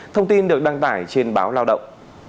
thông tin được đăng tải trên báo lao động